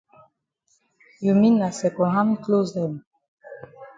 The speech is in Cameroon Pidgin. You mean na second hand closs dem.